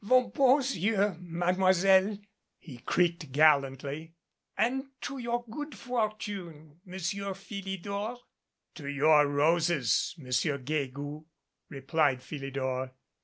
"Vos beaux yeux, Mademoiselle," he creaked gallantly, "and to your good fortune, Monsieur Philidor." "To your roses, Monsieur Guegou," replied Philidor.